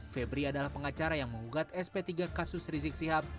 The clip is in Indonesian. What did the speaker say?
febri adalah pengacara yang mengugat sp tiga kasus rizik sihab